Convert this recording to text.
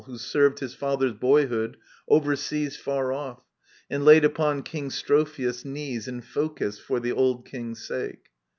Who served his father^s boyhood, over seas Far o£F, and laid upon King Strophios' knees In Phocis, for the old king's sake.